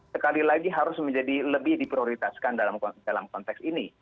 sekali lagi harus menjadi lebih diprioritaskan dalam konteks ini